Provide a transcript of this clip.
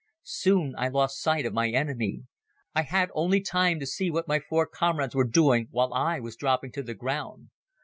Soon I lost sight of my enemy. I had only time to see what my four comrades were doing while I was dropping to the ground.